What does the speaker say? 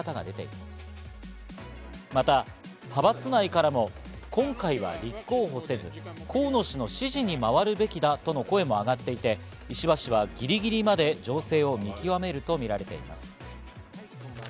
また派閥内からも今回は立候補せず河野氏の支持に回るべきだとの声もあがっていて、石破氏はぎりぎりまで情勢を見極めるとみられています。